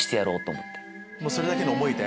それだけの思いで？